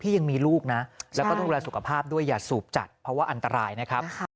ยังมีลูกนะแล้วก็ต้องดูแลสุขภาพด้วยอย่าสูบจัดเพราะว่าอันตรายนะครับ